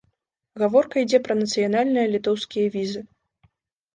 Гаворка ідзе пра нацыянальныя літоўскія візы.